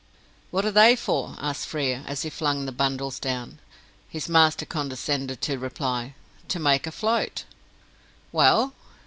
"What are they for?" asked Frere, as he flung the bundles down. His master condescended to reply. "To make a float." "Well?"